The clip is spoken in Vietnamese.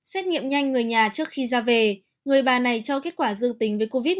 xét nghiệm nhanh người nhà trước khi ra về người bà này cho kết quả dương tính với covid một mươi